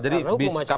karena hukum acara